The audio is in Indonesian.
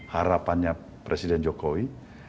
harapannya presiden jokowi